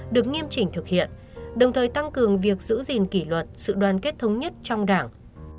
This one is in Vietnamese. được nghiêm chỉnh thực hiện đồng thời tăng cường việc giữ gìn kỷ luật sự đoàn kết thống nhất trong đảng